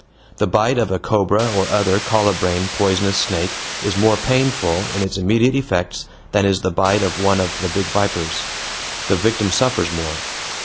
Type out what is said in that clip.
The bite of a cobra or other colubrine poisonous snake is more painful in its immediate effects than is the bite of one of the big vipers. The victim suffers more.